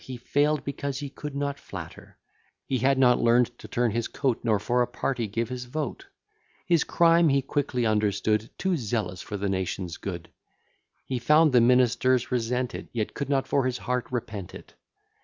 He fail'd, because he could not flatter; He had not learn'd to turn his coat, Nor for a party give his vote: His crime he quickly understood; Too zealous for the nation's good: He found the ministers resent it, Yet could not for his heart repent it.